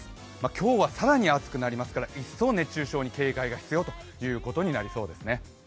今日は更に暑くなりますから一層、熱中症に警戒が必要ということになりそうですね。